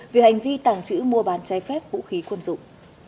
vì hành vi tàng trữ mua bán chai phép vũ khí quân dụng